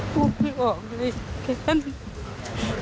พูดไม่ออกเลย